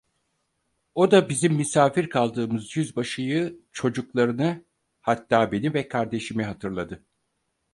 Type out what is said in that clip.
O da bizim misafir kaldığımız yüzbaşıyı, çocuklarını, hatta beni ve kardeşimi hatırladı.